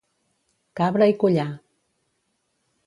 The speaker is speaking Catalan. Cabra i collar.